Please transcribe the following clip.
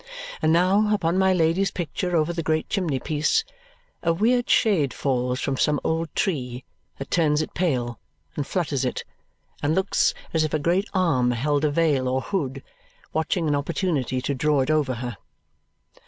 And now, upon my Lady's picture over the great chimney piece, a weird shade falls from some old tree, that turns it pale, and flutters it, and looks as if a great arm held a veil or hood, watching an opportunity to draw it over her.